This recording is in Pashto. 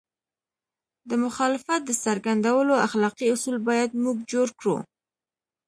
د مخالفت د څرګندولو اخلاقي اصول باید موږ جوړ کړو.